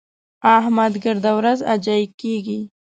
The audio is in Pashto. احمد ګرده ورځ اجايي کېږي.